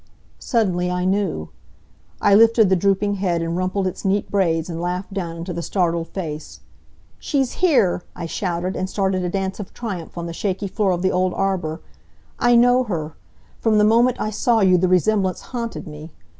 Suddenly I knew. I lifted the drooping head and rumpled its neat braids, and laughed down into the startled face. "She's here!" I shouted, and started a dance of triumph on the shaky floor of the old arbor. "I know her. From the moment I saw you the resemblance haunted me."